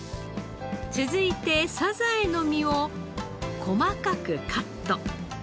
続いてサザエの身を細かくカット。